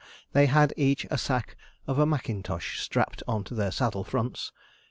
They had each a sack of a mackintosh strapped on to their saddle fronts.